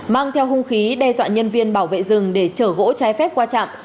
mang theo hung khí đe dọa nhân viên bảo vệ rừng để chở gỗ trái phép qua trạm